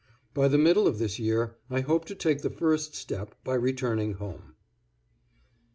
By the middle of this year I hope to take the first step by returning home.